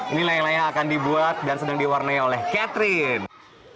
ini layang layang akan dibuat dan sedang diwarnai oleh catherine